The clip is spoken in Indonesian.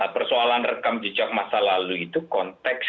persoalan rekam jejak masa lalu itu konteks